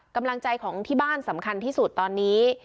กำลังใจของที่บ้านสำคัญที่สุดตอนนี้